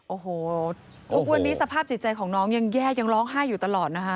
โอ้โหทุกวันนี้สภาพจิตใจของน้องยังแย่ยังร้องไห้อยู่ตลอดนะคะ